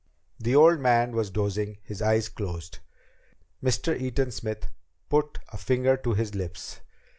The old man was dozing, his eyes closed. Mr. Eaton Smith put a finger to his lips.